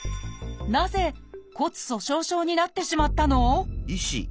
なぜ骨粗しょう症になってしまったの？